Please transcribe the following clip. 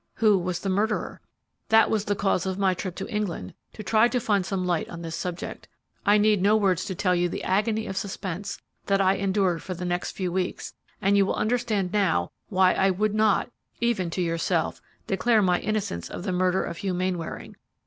Who was the murderer? That was the cause of my trip to England to try to find some light on this subject. I need no words to tell you the agony of suspense that I endured for the next few weeks, and you will understand now why I would not even to yourself declare my innocence of the murder of Hugh Mainwaring.